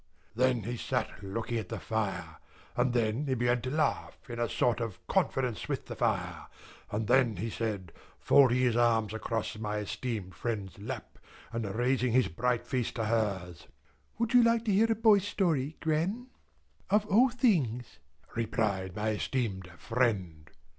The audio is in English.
Then he sat looking at the fire, and then he began to laugh in a sort of confidence with the fire, and then he said, folding his arms across my esteemed friend's lap, and raising his bright face to hers. "Would you like to hear a boy's story, Gran?" "Of all things," replied my esteemed friend.